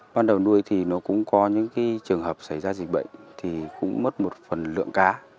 ban đầu nuôi thì nó cũng có những trường hợp xảy ra dịch bệnh thì cũng mất một phần lượng cá